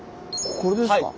これですか。